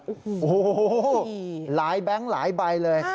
โอ้โหหลายแบงค์หลายใบเลย